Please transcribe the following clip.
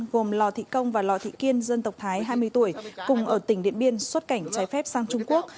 gồm lò thị công và lò thị kiên dân tộc thái hai mươi tuổi cùng ở tỉnh điện biên xuất cảnh trái phép sang trung quốc